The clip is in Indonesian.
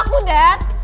nanti aku bisa